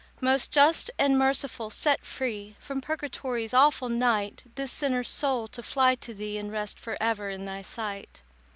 "Most Just and Merciful, set free From Purgatory's awful night This sinner's soul, to fly to Thee, And rest for ever in Thy sight."